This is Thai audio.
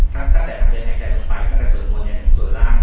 ตั้งแต่ทางเดินในใจลงไปตั้งแต่ศูนย์บนเนี่ยศูนย์ร่าง